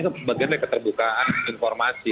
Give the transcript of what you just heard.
itu bagian dari keterbukaan informasi